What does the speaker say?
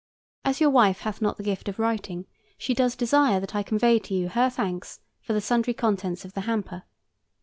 As your wife hath not the gift of writing, she does desire that I convey to you her thanks for the sundry contents of the hamper.